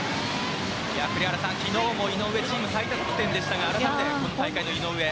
栗原さん、昨日も井上はチーム最多得点ですが改めて今大会の井上。